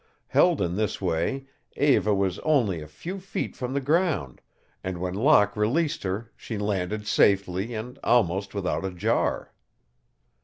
Held in this way, Eva was only a few feet from the ground, and when Locke released her she landed safely and almost without a jar.